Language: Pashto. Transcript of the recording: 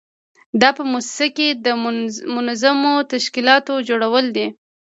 دا په موسسه کې د منظمو تشکیلاتو جوړول دي.